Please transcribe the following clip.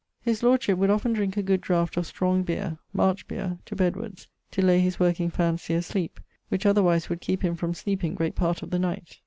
His Lordship would often drinke a good draught of strong beer (March beer) to bedwards, to lay his working fancy asleep: which otherwise would keepe him from sleeping great part of the night.